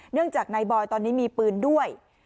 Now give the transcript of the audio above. เนื่องจากนายบอยตอนนี้มีปืนด้วย